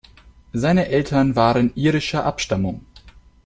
Seine Eltern waren irischer Abstammung.